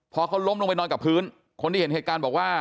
พอเขาล้มลงไปนอนกับพื้นคนที่เห็นเหตุการณ์บอกว่า